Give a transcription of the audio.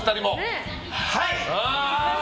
はい！